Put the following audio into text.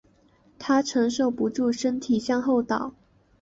她承受不住身体向后倒